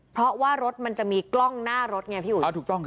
เพราะว่ารถมันจะมีกล้องหน้ารถไงพี่อุ๊ย